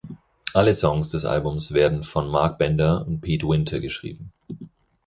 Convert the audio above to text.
Alle Songs des Albums wurden von Mark Bender und Pete Winter geschrieben.